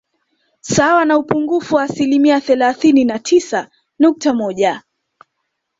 Sawa na upungufu wa asilimia thelathini na tisa nukta moja